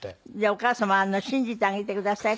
お母様信じてあげてください。